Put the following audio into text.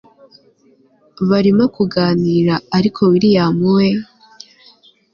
barimo kuganira ariko william we